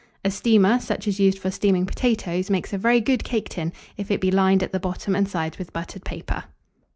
A steamer, such as is used for steaming potatoes, makes a very good cake tin, if it be lined at the bottom and sides with buttered paper.